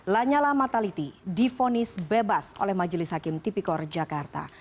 lanyala mataliti difonis bebas oleh majelis hakim tipikor jakarta